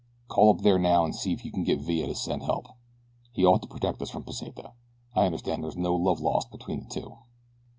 Call up there now and see if you can get Villa to send help he ought to protect you from Pesita. I understand that there is no love lost between the two."